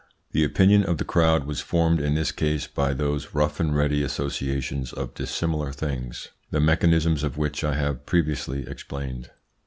The opinion of the crowd was formed in this case by those rough and ready associations of dissimilar things, the mechanism of which I have previously explained.